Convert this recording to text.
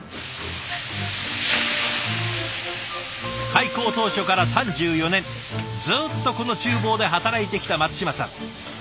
開校当初から３４年ずっとこの厨房で働いてきた松島さん。